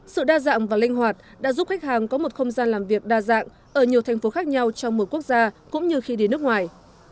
sự đa dạng và linh hoạt đã giúp khách hàng có một không gian làm việc đa dạng ở nhiều thành phố khác nhau trong một mươi quốc gia cũng như khi đi nước ngoài